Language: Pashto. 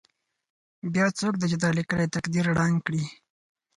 بیا څوک دی چې دا لیکلی تقدیر ړنګ کړي.